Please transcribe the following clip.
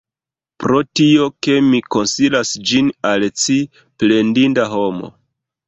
Pro tio, ke mi konsilis ĝin al ci, plendinda homo!